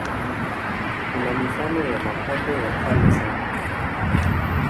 Kuna mifano ya mapambo ya kale sana.